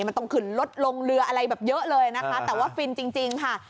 มันต้องขึ้นรถลงเรืออะไรแบบเยอะเลยนะคะแต่ว่าฟินจริงค่ะ